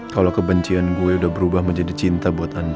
kalau kebencian gue udah berubah menjadi cinta buat anda